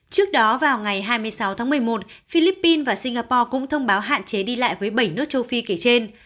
trước đó vào ngày hai mươi sáu tháng một mươi một philippines và singapore cũng thông báo hạn chế đi lại với bảy nước châu phi kể trên